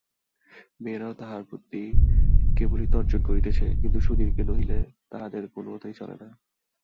মেয়েরাও তাহার প্রতি কেবলই তর্জন করিতেছে, কিন্তু সুধীরকে নহিলে তাহাদের কোনোমতেই চলে না।